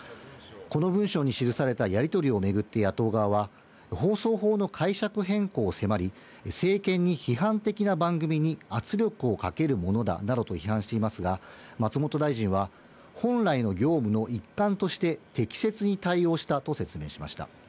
この文書に記されたやりとりをめぐって野党側は放送法の解釈変更を迫り、政権に批判的な番組に圧力をかけるものだなどと批判していますが、松本大臣は本来の業務の一環として適切に対応したと説明しました。